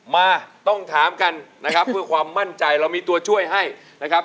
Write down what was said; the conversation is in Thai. มาต้องถามกันนะครับเพื่อความมั่นใจเรามีตัวช่วยให้นะครับ